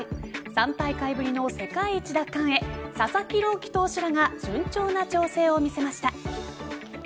３大会ぶりの世界一奪還へ佐々木朗希投手らが順調な調整を見せました。